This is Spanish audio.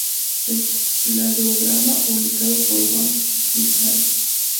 El cladograma publicado por Hwang "et al.